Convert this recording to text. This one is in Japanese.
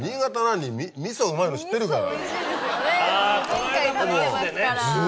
前回食べてますから。